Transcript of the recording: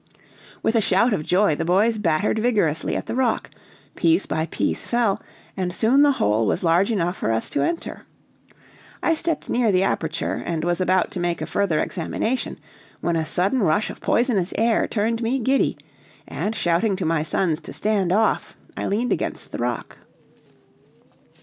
With a shout of joy, the boys battered vigorously at the rock; piece by piece fell, and soon the hole was large enough for us to enter. I stepped near the aperture, and was about to make a further examination, when a sudden rush of poisonous air turned me giddy, and shouting to my sons to stand off, I leaned against the rock.